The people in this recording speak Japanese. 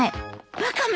ワカメ。